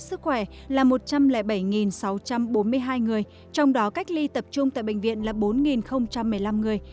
sức khỏe là một trăm linh bảy sáu trăm bốn mươi hai người trong đó cách ly tập trung tại bệnh viện là bốn một mươi năm người